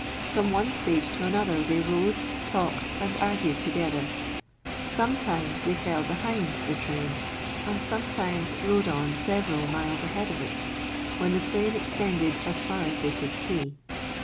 From one stage to another they rode, talked, and argued together. Sometimes they fell behind the train, and sometimes rode on several miles ahead of it, when the plain extended as far as they could see.